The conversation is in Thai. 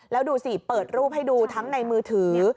แล้วดูสิเปิดรูปให้ดูทั้งในมือถือ